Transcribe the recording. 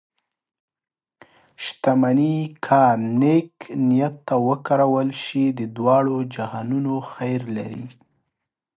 شتمني که نیک نیت ته وکارول شي، د دواړو جهانونو خیر لري.